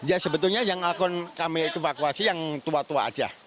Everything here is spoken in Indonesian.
ya sebetulnya yang akan kami evakuasi yang tua tua aja